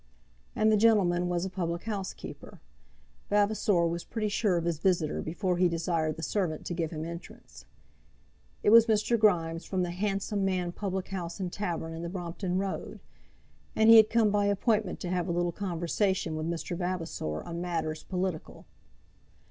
And the gentleman was a public house keeper. Vavasor was pretty sure of his visitor before he desired the servant to give him entrance. It was Mr. Grimes from the "Handsome Man" public house and tavern, in the Brompton Road, and he had come by appointment to have a little conversation with Mr. Vavasor on matters political.